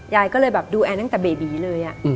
ยายก็เลยแบบดูแอนตั้งแต่เบบีเลย